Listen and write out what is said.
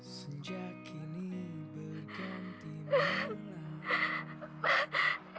sejak kini berganti malam